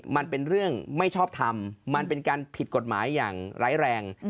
มันเป็นเรื่องไม่ชอบทำมันเป็นการผิดกฎหมายอย่างร้ายแรง